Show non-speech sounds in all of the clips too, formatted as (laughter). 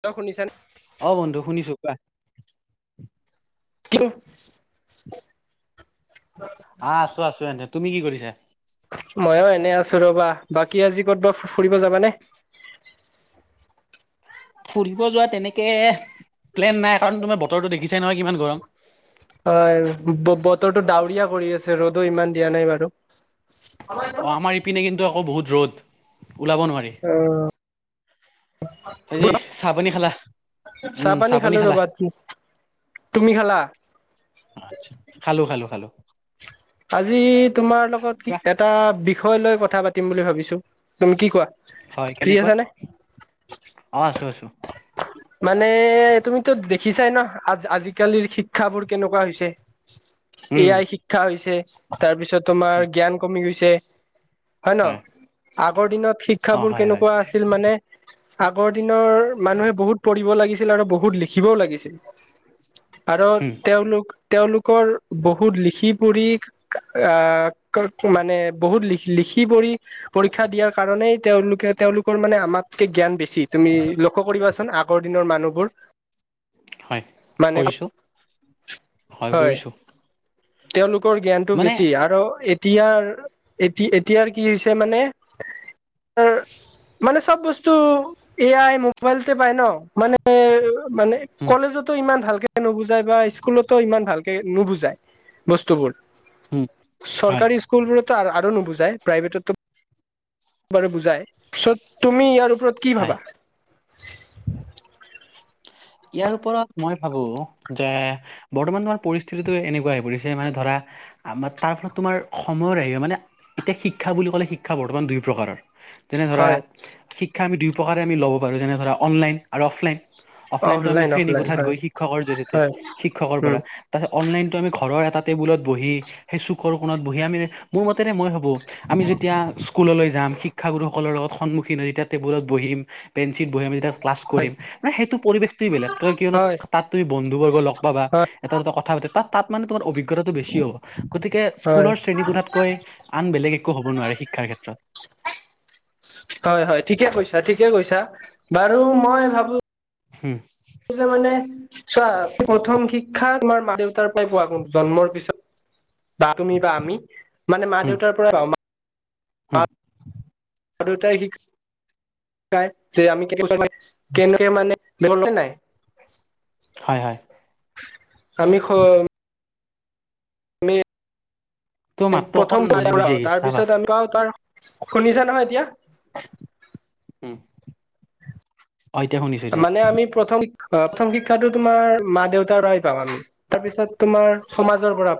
Hello শুনিছানে! অঁ বন্ধু শুনিছো কোৱা। অঁ। আহ আছো আছো এনে তুমি কি কৰিছা? মইয়ো এনে আছো ৰবা বাকী আজি কতবব ফুৰিব যাবানে? ফুৰিব যোৱা তেনেকে প্লেন নাই কাৰণ তোমাৰ বতৰটো দেখিছা নহয় কিমান গৰম। হয় বতৰটো ডাৱৰীয়া কৰি আছে ৰ'দো ইমান দিয়া নাই বাৰু অ আমাৰ ইপিনে কিন্তু আকৌ বহুত ৰ'দ ওলাব নোৱাৰি। আজি চাহ পানী খালা চাহ পানী খালো ৰ বাদি তুমি খালা? আচ্ছা খালো খালো খালো। আজি তোমাৰ লগত কি কোৱা এটা বিষয় লৈ কথা পাতিম বুলি ভাবিছো তুমি কি কোৱা? হয় ফ্ৰী কেনেকুৱা আছা নে? অ আছো আছো। মানে তুমিতো দেখিছাই ন আজ আজিকালিৰ শিক্ষাবোৰ কেনেকুৱা হৈছে? এ উম আই শিক্ষা হৈছে তাৰপিছত তোমাৰ উম, জ্ঞান কমি গৈছে। হয় ন আগৰ দিনত অ শিক্ষাবোৰ হয় হয় কেনেকুৱা আছিল মানে আগৰ দিন। নৰ মানুহে বহুত পঢ়িব লাগিছিল আৰু বহুত লিখিবও লাগিছিল। আৰু উম তেওঁলোক তেওঁলোকৰ বহুত লিখি পঢ়ি আঁহ মানে বহুত লিখি পঢ়ি পৰীক্ষা দিয়াৰ কাৰণ নেই তেওঁলোকে তেওঁলোকৰ মানে আমাতকে জ্ঞান বেছি তুমি লক্ষ্য কৰিবাচোন। আগৰ দিনৰ মানুহবোৰ। হয় মানে কৰিছো হয়। তেওঁলোকৰ জ্ঞানতটো মানে বেছি আৰু এতিয়াৰ এতিয়া এতিয়াৰ কি হৈছে মানে মানে চব বস্তু এ আই মোবাইলতে পায় ন। মানে মানে উম কলেজতো ইমান ভাল ভালকে নুবুজাই বা স্কুলতো ইমান ভালকে নুবুজাই বস্তুবোৰ। উম হয় চৰকাৰী স্কুল গতো আৰু নুবুজে। প্ৰাইভেটত ব বুজাই। পছত তুমি ইয়াৰ ওপৰত কি হয় ভাবা। ইয়াৰ ওপৰত মই ভাবো যে বৰ্তমান আমাৰ পৰিস্থিতিতটো এনেকুৱা হৈ পৰিছে মানে ধৰা। আমাৰ তাৰ ফলত তোমাৰ সময়ৰ আহিব মানে এতিয়া শিক্ষা বুলি ক'লে শিক্ষা বৰ্তমান দুই প্ৰকাৰৰ যেনে ধৰা হয় শিক্ষা আমি দুই প্ৰকাৰে আমি ল'ব পাৰো যেনে ধৰা অনলাইন আৰু অফলাইন অফলাইনতো আমি অফলাইন শ্ৰেণী অফলাইন কোঠাত হয় গৈ শিক্ষকৰ জৰিয়তে হয় শিক্ষকৰ উম পৰা তাৰপিছত অনলাইনটো আমি ঘৰৰ এটা টেবুলত বহি সেই চুখ কোণত বহি আমি মোৰ মতেৰে মই ভাববো আমি যেতিয়া স্কুললৈ যামওঁ শিক্ষাগুৰুসকলৰ লগত সন্মুখীন হয় যেতিয়া টেবুলত বহিম বেঞ্চিত বহিম যেতিয়া ক্লাছ হয় কৰিম মানে সেইটো পৰিৱেশটয়ে বেলেগ কিয়নো হয় তাত তুমি বন্ধুবৰ্গ লগ পাবা হয় এটা দুটা কথা পা তাত মানে তোমাৰ অভিজ্ঞ অভিজ্ঞতাটো বেছি হ'ব গতিকে হয় স্কুলৰ শ্ৰেণী কোঠাতকৈ আন বেলেগ একো হ'ব নোৱাৰে শিক্ষাৰ ক্ষেত্ৰত হয় হয় ঠিকে কৈছা ঠিকে কৈছা বাৰু মই ভাবো। হম যে মানে চোৱা প্ৰথম শিক্ষা তোমাৰ মা দেউতাৰ পৰাই পোৱাৰ জন্মৰ পিছত বা তুমি বা আমি মানে মা দেউতাৰ পৰা বা হ আৰু দুটাই শিক যে আমি কে কেনেক মানে নাই হয় হয় আমি খ তোৰ আমি মাতটো অকণ প্ৰথম ত বুজি বুজি আহিছে তাৰ চাবা পিছত আমি পওঁ তাৰ শুনিছো নহয় এতিয়া উম অ এতিয়া শুনিছো এতিয়া মানে আমি প্ৰথম অ প্ৰথম শিক্ষাটো তোমাৰ মা দেউতাৰ পৰাই পাম আমি তাৰপিছত তোমাৰ সমাজৰ পৰা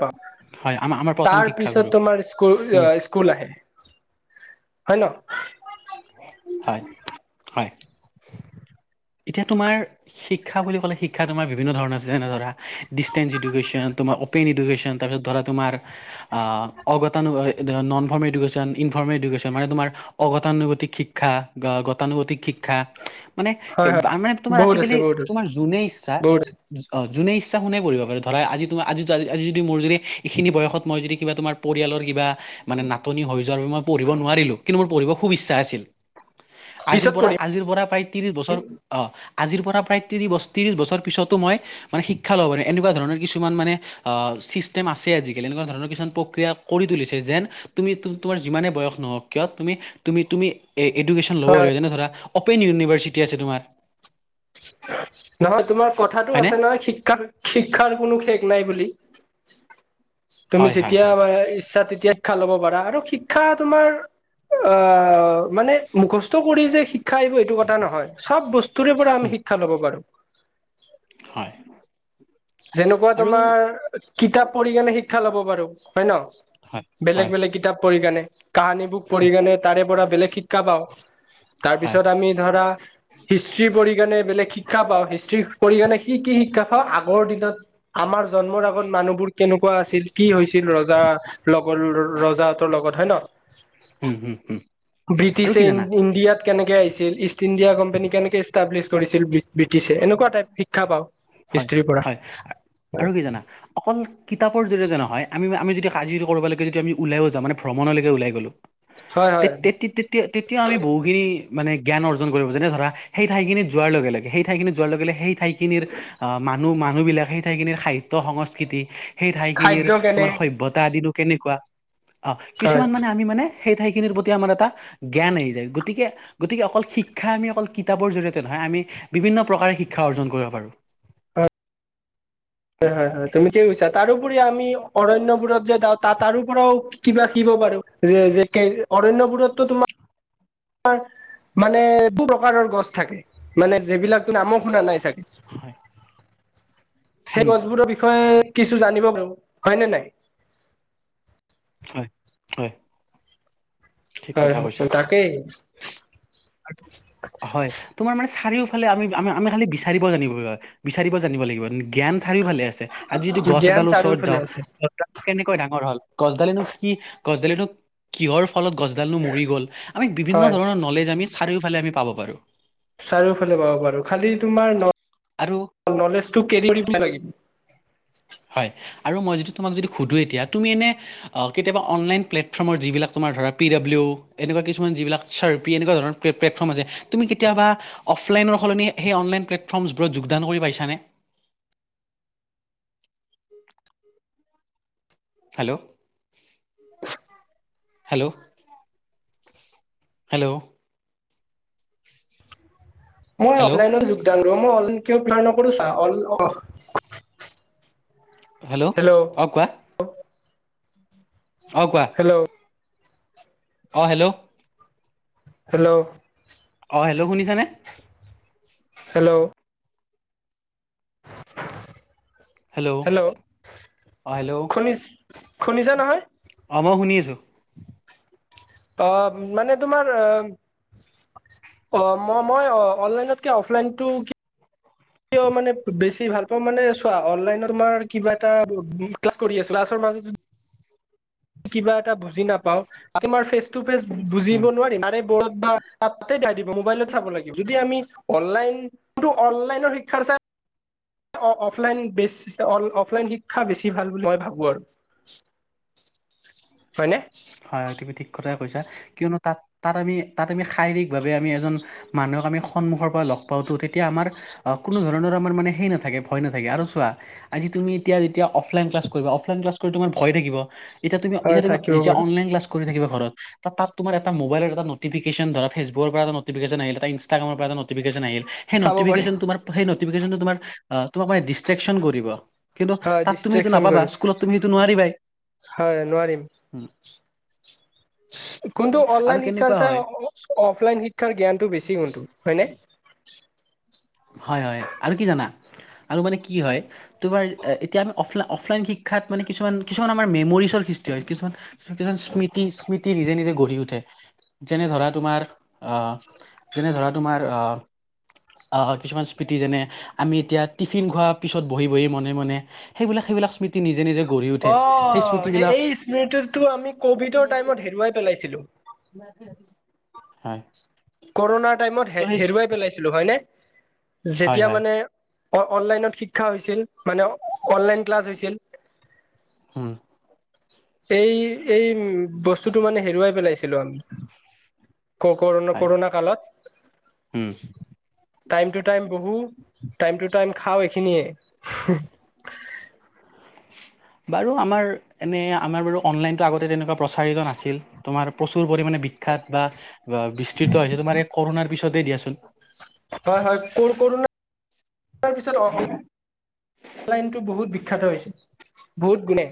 হয় আমাৰ আমাৰ পাওঁ প্ৰথম তাৰ পিছত শিক্ষাগুৰু তোমাৰ স্কুল উম স্কুল আহে হয় ন হয় হয় এতিয়া তোমাৰ শিক্ষা বুলি ক'লে শিক্ষা তোমাৰ বিভিন্ন ধৰণৰ আছে যেনে ধৰা ডিষ্টেন এডুকেশ্যন তোমাৰ এডুকেছন তাৰ পিছত ধৰা তোমাৰ আ অ বো টো নন এডুকেছন ইনফৰ্মমেত মানে তোমাৰ অগতানুগতিক শিক্ষা গতানুগতিক শিক্ষা মানে হয় হয় মানে তোমাৰ বহুত আজিকালি আছে বহুত আছে তোমাৰ যোনে ইচ্ছা বহুত আছে যোনে ইচ্ছা শুনে পৰিব পাৰে ধৰা আজি তোম আজি আজি যদি মোৰ যদি এইখিনি বয়সত মই যদি কিবা তোমাৰ পৰিয়ালৰ কিবা মানে নাটনি হৈ যোৱাৰ বাবে মই পঢ়িব নোৱাৰিলো কিন্তু মোৰ পঢ়িব খুব ইচ্ছা আছিল। আজিৰ পিছত পৰা পঢ়িম আজিৰ পৰা প্ৰায় ত্ৰিশ বছৰ অঁ আজিৰ পৰা প্ৰায় ত্ৰিছ বছ ত্ৰিছ বছৰ পিছতো মই মানে শিক্ষা ল'ব পাৰিম এনেকুৱা ধৰণৰ কিছুমান মানে চিষ্টেম আছে আজিকালি এনেকুৱা ধৰণৰ কিছমান প্ৰক্ৰিয়া কৰি তুলিছে যেন তুমি তোমাৰ যিমান কিয় নহওক কিয় তুমি তুম এডুকেশ্যন ল'ব হয় হয় পাৰিবা যেনে ধৰা অপেন ইউনিভাৰ্চিটি আছে তোমাৰ নহয় তোমাৰ কথাটো হয়নে আছে নহ শিক্ষা শিক্ষাৰ কোনো শেষ নাই বুলি তুমি হয় হয় যেতিয়া হয় ইচ্ছা তেতিয়া খা ল'ব পাৰা আৰু শিক্ষা তোমাৰ অ মানে মুখ কৰি যে শিক্ষা আহিব এইটো কথা নহয় চব বস্তুৰে পৰা আমি হুম, শিক্ষা লব পাৰো হয় যেনেকুৱা আৰু তোমাৰ কিতাপ পঢ়ি কেনে শিক্ষা লব পাৰো হয় ন হয় বেলেগ হয় বেলেগ কিতাপ পঢ়ি কাৰণে কাহানী বুক পঢ়ি কেনে তাৰে পৰা বেলেগ শিক্ষা পাওঁ তাৰ হয় পিছত আমি ধৰা হিষ্ট্ৰ্ৰী পঢ়ি কেণে বেলেগ শিক- শিক্ষা পাওঁ হিষ্ট্ৰ্ৰী কৰি কেনে সি কি শিক্ষা পাওঁ আগৰ দিনত আমাৰ জন্মৰ আগত মানুহবোৰ কেনেকুৱা আছিল কি হৈছিল ৰজা লগ। ল ৰজা হতৰ লগত হয় ন হুম হুম হুম আৰু ব্ৰিটিছে কি জানা ইণ্ডিয়াত কেনেকে আহিছিল ইষ্ট ইণ্ডিয়া কোম্পানী কেনেকে ইষ্টাব্লিছ কৰিছিল ব্ৰিটিছে এনেকুৱা টাইপ শিক্ষা পাওঁ হয় হিষ্ট্ৰীৰ পৰা হয় আৰু কি জানা অকল কিতাপৰ জৰিয়তে নহয়। আমি আমি যদি কাজিৰ কৰিব লাগে যদি আমি ওাই যা মানে ভ্ৰমণলৈকে ওলাই গ'লো। হয় তে হয় তে তেতিয়া তেতিয়া আমি বহগিনী মানে জ্ঞান অৰ্জন কৰিব যেনে ধৰা সেই ঠাইখিনি যোৱাৰ লগে লগে সেই ঠাইখিনি যোৱাৰ লগে লগে সেই। ঠাই খিনিৰ আহ মানুহ মানুহ বিলাক সেই ঠাইখিনিৰ সাহিত্য সংস্কৃতি। সেই ঠাইখিনিৰ খাদ্য কেনে তোমাৰ সভ্যতা আদিনো কেনেকুৱা অ হয় হয় কিছুমান মানে আমি মানে। সেই ঠাইখিনিৰ প্ৰতি আমাৰ এটা জ্ঞান আহি যায় গতিকে গতিকে অকল শিক্ষা আমি অকল কিতাপৰ জৰিয়িয়তে নহয়। আমি বিভিন্ন প্ৰকাৰে শিক্ষা অৰ্জন কৰিব পাৰো। হয় হয় হয় তুমি কি বুইছা তাৰোপৰি আমি। অৰণ্যবোৰত যে যাওঁ তাত তাৰো পৰাও কিবা শিকিব পাৰো যে যে অৰণ্যবোৰতো তোমাৰ। (unintelligible) তাৰ মানে বহু প্ৰকাৰৰ গছ থাকে মানে যি বিলাক নামো শুনা নাই চাগে। হয় সেই উম গছবোৰৰ বিষয়ে। কিছু জানিব পাৰো হয়নে নাই হয় হয় ঠিক হয়, কথা কৈছা হয় তাকেই হয় তোমাৰ মানে। চাৰিওফালে আমি আমি খালি বিচাৰিব জানিব লাগিব বিচাৰিব জানিব লাগিব। জ্ঞান চাৰিও ভালে আছে আজি যদি গছ জ্ঞান এডালৰ ওচৰত চাৰিওফালে যাওঁ আছে গছডালটো কেনেকৈ ডাঙৰ হল গছডালেনো কি। গছডালটো কিহৰ ফলত গছডালনো মৰি গ'ল আমি বিভিন্ন হয় ধৰণৰ নলেজ আমি। চাৰিওফালে আমি পাব পাৰো। চাৰিওফালে পাব পাৰো খালি তোমাৰ ন। আৰু নলেজটো কেৰি কৰি লাগে। হয় আৰু মই যদি তোমাক যদি সুধো এতিয়া তুমি এনে কেতিয়াবা অনলাইন প্লেটফৰ্মৰ যিবিলাক ত। তোমাৰ ধৰা পি ডাবলি এনেকুৱা কিছুমান যিবিলাক চাৰ পি এনেকোৱা ধৰনৰ প্লেটফৰ্ম আছে তুমি কেতিয়াবা। অফলাইনৰ সলনি সেই অনলাইন প্লেটফৰ্মছবোৰত যোগদান কৰি পাইছানে? (unintelligible) হেল্ল' হেল্ল' হেল্ল' মই হেল্ল' অফলাইনত যোগদান কৰিম, মই অনলাইন কিয় (unintelligible) নকৰো চা। হেল্ল', অ কোৱা। অ কোৱা। হেল্ল' অ হেল্ল'। হেল্ল'। অ হেল্ল' শুনিছানে? হেল্ল' হেল্ল' অ হেল্ল' শুনিছ শুনিছা নহয়, অ মই শুনিছো। আহ মানে তোমাৰ আহ। অ মই মই অনলাইনতকে অফলাইনটো কি। কিয় মানে বেছি ভাল পাওঁ মানে চোৱা অনলাইন তোমাৰ কিবা এটা ক্লাছ কৰি আছে আ। (unintelligible) কিবা এটা বুজি নাপাও তোমাৰ ফেচ টো ফেচ উম বুজিব নোৱাৰি তাৰে বা। তাতে দাই দিব মোবাইলত চাব লাগিব যদি আমি অনলাইনটো অনলাইনৰ শিক্ষাৰ চাই। অফলাইন অফলাইন শিক্ষা বেছি ভাল বুলি মই ভাবোঁ, আৰু (inaudible) হয়নে হয় হয়টো ঠিক কথাই কৈছা। কিনো তাত তাত আমি তাত আ শাৰীৰিক ভাৱে আমি এজন মানুহক আমি সন্মুখৰ পৰা লগ পাওঁ তেতিয়া আমাৰ অ কোনো ধৰণৰ আমাৰ মানে সেই নাথাকে ভয় নাথাকে আৰু চোৱা আজি তুমি এতিয়া যেতিয়া অফলাইন ক্লাছ কৰিব অফলাইন ক্লছ কৰি তোমাৰ ভয় থাকিব এতিয়া তুমি হয় এটিয়া তুমি থাকিব যেতিয়া বাৰু অনলাইন ক্লাছ কৰি থাকিবা ঘৰত। তাত তোমাৰ এটা মোবাইল এ নটফিকেশ্যন ধৰা ফেচবুকৰৰ পৰা এটা নটফিকেশ্যন আহিলে ইনষ্টাগ্ৰামৰ পৰা এটা নটফিকেশ্যন আহিল, সেই চাব পাৰিম নটফিকেশ্যন তোমাৰ সেই নটফিকেশ্যন তোমাৰ আ তোমাক মানে দিচট্ৰেকচন কৰিব। কিন্তু হয় তাত তুমি সেইটো ডিষ্ট্ৰেকচন নাপাবা কৰিম স্কুলত তুমি সেইটো নোৱাৰিবাই। হয় নোৱাৰিম উম (inaudible) ত' কোনটো আৰু অনলাইন শিক্ষাৰ কেনেকুৱা চাই হয় অফলাইন শিক্ষাৰ জ্ঞানটো বেছি কোনটো, হয়নে? হয় হয় আৰু কি জানা আৰু মানে কি হয় তোমাৰ এতিয়া আমি অফলন অফলাইন শি শিক্ষাত মানে কিছুমান কিছুমান আমাৰ মেমৰিজৰ সৃষ্টি হয় কিছুমান কিছুমান স্মৃতি স্মৃতি নিজে নিজে গঢ়ি উঠে। যেনে ধৰা তোমাৰ আহ যেনে ধৰা তোমাৰ আহ কিছুমান স্মৃতি যেনে আমি এতিয়া টিফিন খোৱাৰ পিছত বহি বহি মনে মনে সেইবিলাক সেইবিলাক স্মৃতি নিজে নিজে গঢ়ি উঠে অ সেই স্মৃতিবিলাক এই স্মৃতিটো আমি কভিডৰ টাইমত হেৰুৱাই পেলাইছিলো। (unintelligible) হয়। ক'ৰণাৰ টাইমত ত' সেই হেৰুৱাই পেলাইছিলো হয় নে? হয় যেতিয়া হয় মানে অ অনলাইনত শিক্ষা হৈছিল মানে অনলাইন ক্লাছ হৈছিল উম এই এই উ বস্তুতটো মানে হেৰুৱাই পেলাইছে (unintelligible) আমি, ক কৰো হয় কৰোণা উম কালত টাইম টু টাইম বহো, টাইম টু টাইম খাওঁ এইখিনিয়ে। (inaudible) বাৰু আমাৰ এনে আমাৰ বাৰু অনলাইনতো আগতে তেনেকুৱা প্ৰচাৰিত নাছিল, তোমাৰ প্ৰচুৰ পৰিমানে বিখ্যাত বা বিস্তৃত হৈছে তোমাৰ এই কৰোণাৰ পিছতেই দিয়াচোন। তাৰ পিছত অ (unintelligible) অনলাইনটো বহুত বিখ্যাত হৈছে বহুত গুণে।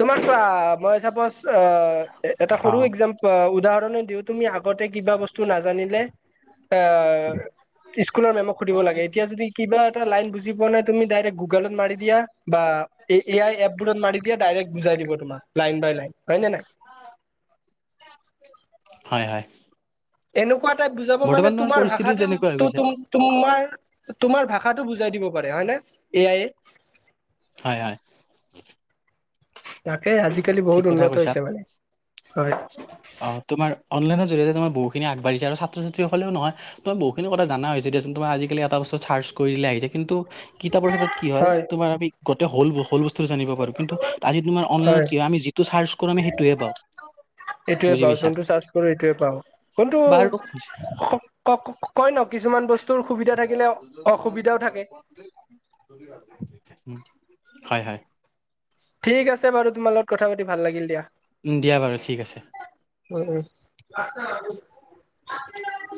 তোমাৰ চোৱা মই চাপজ এ এটা অ সৰু একজা উদাহৰণে দিও তুমি আগতে কিবা বস্ত- টো নাজানিলে আ স্কুলৰ মেমক সুধিব লাগে। এতিয়া যদি- কিবা এটা লাইন বুজি পোৱা নাই তুমি ডাইৰেক্ট গু- গুগত মাৰি দিয়া বা এ আই এপ বোৰত মাৰি দিয়া ডাইৰেক্ট বুজাই দিব তোমাক লাইন বাই লাইন। হয় নে নাই? (inaudible) হয় হয়। এনেকুৱা এ তাই বুজাব মানে বৰ্তমান তোমাৰ পৰিস্থিতি তেনেকুৱা হৈ ভাষাটো গৈছে তোমাৰ তোমাৰ ভাষাটো বুজাই দিব পাৰে হয় ন এয়াই এ। হয় (inaudible) তাকে আজিকালি বহুত ঠিক কথা উন্নত কৈছা, হৈছে মানে হয় অ তোমাৰ অনলাইনত ত বহুখিনি আগবাঢ়ি আৰু ছাত্ৰ-ছাত্ৰীসকলেও নহয়, তোমাৰ বহুখিনি কথা জানা হৈছে দিয়াচোন তোমাৰ আজিকালি এটা বস্তু চাৰচ কৰি দিলে আহিছে কিন্তু কিতাপৰ ক্ষেত্ৰত কি হয়, তোমাৰ আমি হল হল বস্তুটো জানিব পাৰো, কিন্তু আজি তোমাৰ হয় অনলাইনত কি আমি যিটো চাৰ্চ কৰো আমি সেইটোহে পাওঁ। এইটোৱে বুজি পাওঁ পাইছা যোনটো চাৰচ কৰো এইটোৱে পাও বাৰু কোনটো ক ক (unintelligible) ন কিছুমান বস্তু (unintelligible) (inaudible) হয় হয়। ঠিক আছে বাৰু তোমাৰ লগত কথা পাতি ভাল লাগিল দিয়া। উম দিয়া বাৰু ঠিক আছে। উম (unintelligible)